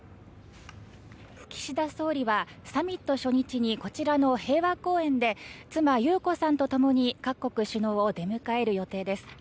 岸田総理はサミット初日にこちらの平和公園で妻・裕子さんとともに各国首脳を出迎える予定です。